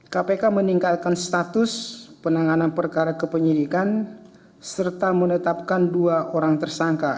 kpk meninggalkan status penanganan perkara kepenyidikan serta menetapkan dua orang tersangka